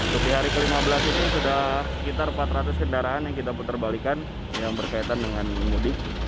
di hari ke lima belas itu sudah sekitar empat ratus kendaraan yang kita putar balikan yang berkaitan dengan mudik